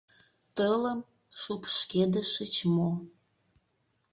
— Тылым шупшкедышыч мо...